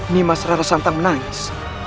nimas rarasanta menangis